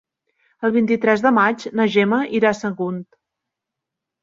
El vint-i-tres de maig na Gemma irà a Sagunt.